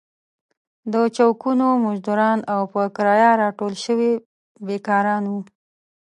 د چوکونو مزدوران او په کرايه راټول شوي بېکاران وو.